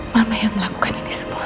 mama yang melakukan ini semua